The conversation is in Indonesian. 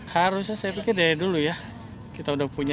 harusnya saya pikir dari dulu ya kita udah punya